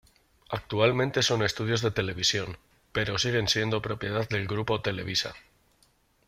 Actualmente son estudios de televisión, pero siguen siendo propiedad del Grupo Televisa.